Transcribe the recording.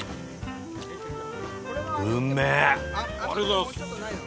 ありがとうございます。